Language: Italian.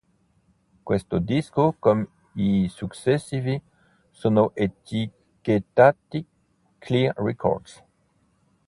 Questo disco, come i successivi, sono etichettati Clear Records.